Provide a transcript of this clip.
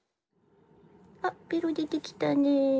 あベロ出てきたね。